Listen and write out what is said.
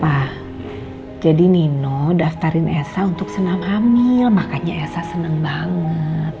pak jadi nino daftarin esa untuk enam hamil makanya esa seneng banget